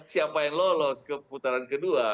siapa yang lolos ke putaran kedua